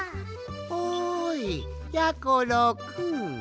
おいやころくん。